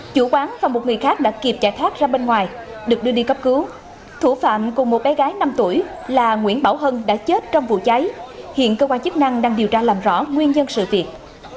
chủ quán và một người khác đã kịp chạy thoát ra bên ngoài được đưa đi cấp cứu thủ phạm cùng một bé gái năm tuổi là nguyễn bảo hân đã chết trong vụ cháy hiện cơ quan chức năng đang điều tra làm rõ nguyên nhân sự việc